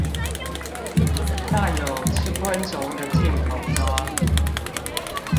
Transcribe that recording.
那有吃昆蟲的鏡頭嗎？